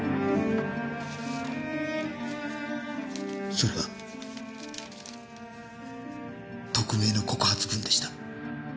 それが匿名の告発文でした。